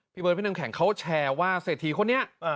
เบิร์พี่น้ำแข็งเขาแชร์ว่าเศรษฐีคนนี้